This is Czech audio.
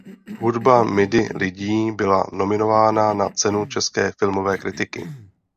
Hudba Midi lidí byla nominována na cenu české filmové kritiky.